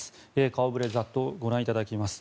顔触れざっとご覧いただきます。